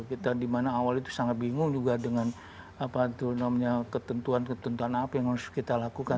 kita dimana awal itu sangat bingung juga dengan ketentuan ketentuan apa yang harus kita lakukan